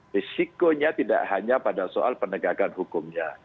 risikonya tidak hanya pada soal penegakan hukumnya